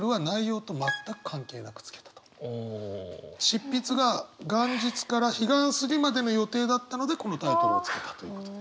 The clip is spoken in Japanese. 執筆が元日から彼岸過ぎまでの予定だったのでこのタイトルをつけたということで。